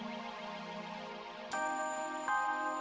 mbak fim mbak ngerasa